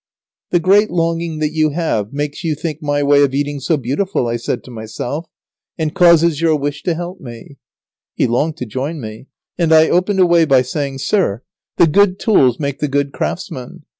"The great longing that you have makes you think my way of eating so beautiful," I said to myself, "and causes your wish to help me." [Sidenote: Lazaro's courtesy, tact, and kindness.] He longed to join me, and I opened a way by saying, "Sir, the good tools make the good craftsman.